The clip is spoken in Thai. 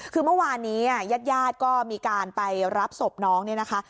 คือเมื่อวานนี้ญาติญาติก็มีการไปรับศพน้องเนี่ยนะคะ